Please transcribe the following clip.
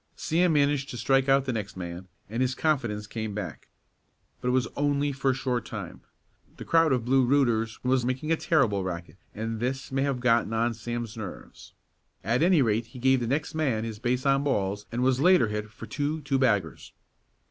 Sam managed to strike out the next man, and his confidence came back. But it was only for a short time. The crowd of Blue "rooters" was making a terrific racket and this may have gotten on Sam's nerves, at any rate he gave the next man his base on balls and was later hit for two two baggers.